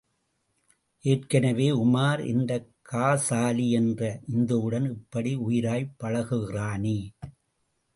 ஏற்கெனவே, உமார், இந்தக் காசாலி என்ற இந்துவுடன் இப்படி உயிராய்ப் பழகுகிறானே.